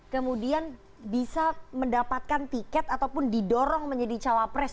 kemudian bisa mendapatkan tiket ataupun didorong menjadi cawapres